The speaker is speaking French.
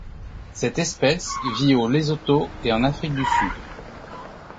Cette espèce vit au Lesotho et en Afrique du Sud.